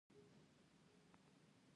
پیشو په تیاره کې ښه لیدلی شي